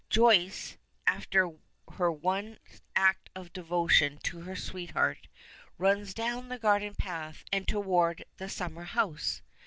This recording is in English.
Joyce, after her one act of devotion to her sweetheart, runs down the garden path and toward the summer house.